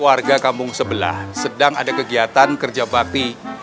warga kampung sebelah sedang ada kegiatan kerja bakti